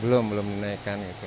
belum belum dinaikkan gitu